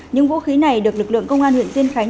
những vũ khí này được lực lượng công an huyện tiên khánh